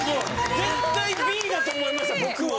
絶対Ｂだと思いました僕は。